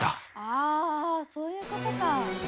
ああそういうことか！